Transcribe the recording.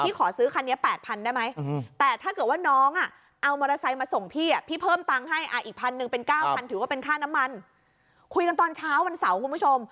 ขอซื้อคันนี้๘๐๐ได้ไหมแต่ถ้าเกิดว่าน้องเอามอเตอร์ไซค์มาส่งพี่พี่เพิ่มตังค์ให้อีกพันหนึ่งเป็น๙๐๐ถือว่าเป็นค่าน้ำมันคุยกันตอนเช้าวันเสาร์คุณผู้ชม